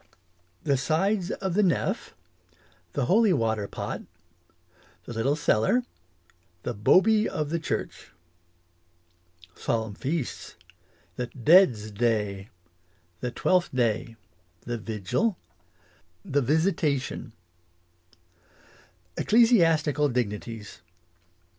The sides of the nef The holywater pot The little cellar The boby of the church Solemn feasts. The Deads day The Twelfth day The Vigil The Visitation English as she is spoke. 15 Ecclesiastical dignities.